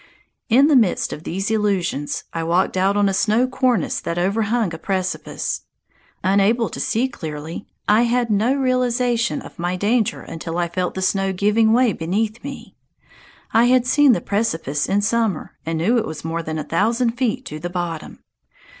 In the midst of these illusions I walked out on a snow cornice that overhung a precipice! Unable to see clearly, I had no realization of my danger until I felt the snow giving way beneath me. I had seen the precipice in summer, and knew it was more than a thousand feet to the bottom!